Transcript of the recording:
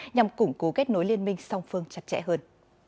nhằm củng cố kết nối liên minh song phương chặt chẽ hơn